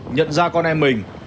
nhận ra con em mình